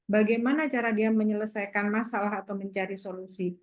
bagaimana cara dia menyelesaikan masalah atau mencari solusi